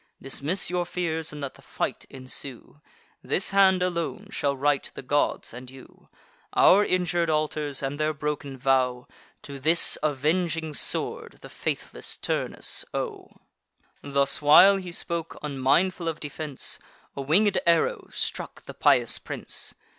Dismiss your fears, and let the fight ensue; This hand alone shall right the gods and you: Our injur'd altars, and their broken vow, To this avenging sword the faithless Turnus owe." Thus while he spoke, unmindful of defence, A winged arrow struck the pious prince.